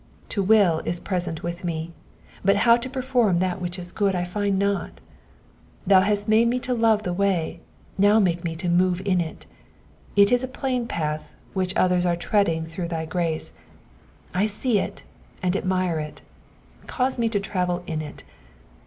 '''^ *'To will is present with me; but how to perform that which is good I find not." Thou hast made me to love the way, now make me to move in it. It is a plain path, which others are treading through thy grace ; I see it and admire it ; cause me to travel in it.